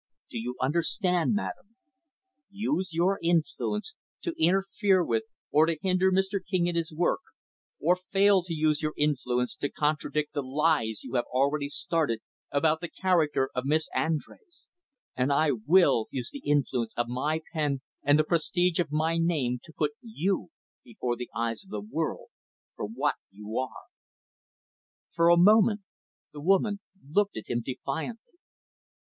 Do you understand, madam? Use your influence to interfere with or to hinder Mr. King in his work; or fail to use your influence to contradict the lies you have already started about the character of Miss Andrés; and I will use the influence of my pen and the prestige of my name to put you before the eyes of the world for what you are." For a moment the woman looked at him, defiantly.